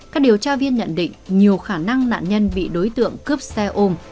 các điều tra viên nhận định nhiều khả năng nạn nhân bị đối tượng cướp xe ôm